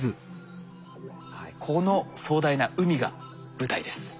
はいこの壮大な海が舞台です。